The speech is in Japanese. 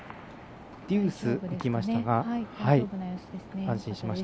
デュース、きましたが。